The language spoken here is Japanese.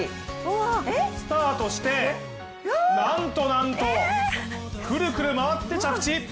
スタートして、なんとなんと、くるくる回って着地！